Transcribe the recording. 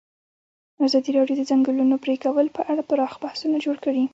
ازادي راډیو د د ځنګلونو پرېکول په اړه پراخ بحثونه جوړ کړي.